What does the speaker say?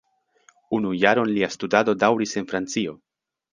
Unu jaron lia studado daŭris en Francio.